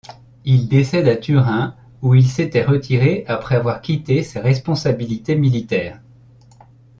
Il décède à Turin où il s'était retiré après avoir quitté ses responsabilités militaires.